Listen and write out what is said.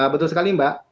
betul sekali mbak